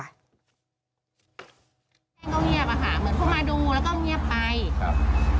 แจ้งเขาเงียบอะค่ะเหมือนเขามาดูแล้วก็เงียบไปครับ